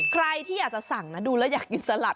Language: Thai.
ใครที่อยากจะสั่งนะดูแล้วอยากกินสลัด